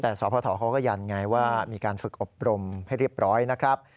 แต่สพเขาก็ยันไงว่ามีการฝึกอบรมให้เรียบร้อยนะครับ